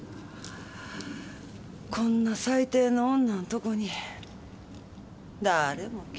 こんな最低の女のとこに誰も来ぇへんわ。